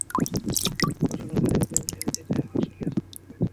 গতকাল বুধবার সকালে স্থানীয় ব্যক্তিরা বিষয়টি নিশ্চিত হয়ে আশুলিয়া থানাকে অবহিত করেন।